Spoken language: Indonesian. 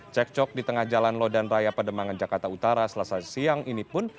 cekcok di tengah jalan lodan raya pademangan jakarta utara selasa siang ini pun